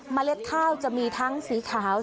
เล็ดข้าวจะมีทั้งสีขาว